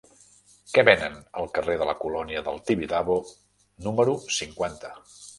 Què venen al carrer de la Colònia del Tibidabo número cinquanta?